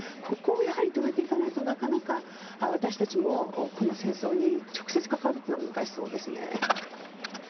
ここをやはり止めていかないとなかなか私たちもこの戦争に直接関わるのは難しそうですね。